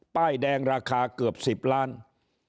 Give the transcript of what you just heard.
ป้ายแดงราคาเกือบ๑๐ล้าน